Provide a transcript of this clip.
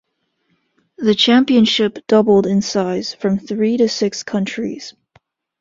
The championship doubled in size from three to six countries.